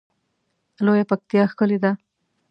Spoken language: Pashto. لویه پکتیا ښکلی ده